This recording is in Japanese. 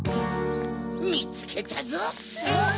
みつけたぞ！